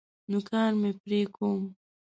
نوکان مي پرې کوم .